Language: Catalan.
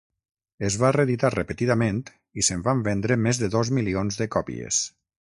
Es va reeditar repetidament i se'n van vendre més de dos milions de còpies.